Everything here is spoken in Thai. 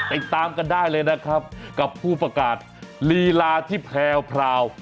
ติดตามกันได้เลยนะครับกับผู้ประกาศลีลาที่แพรว